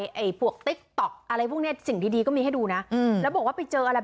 ไม่เคยทำเลยครับจริงผมบอกเลยว่าผมไม่เคยทำเลย